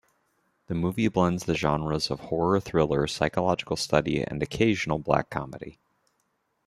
The movie blends the genres of horror, thriller, psychological study, and occasional black comedy.